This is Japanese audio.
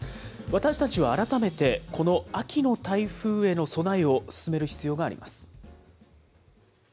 私たちは改めて、この秋の台風への備えを進める必要があります。